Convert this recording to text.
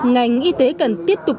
ngành y tế cần tiếp tục